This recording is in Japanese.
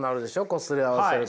こすり合わせると。